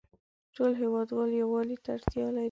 ټول هیوادوال یووالې ته اړتیا لری